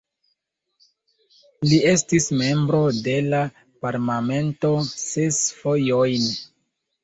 Li estis membro de la Parlamento ses fojojn.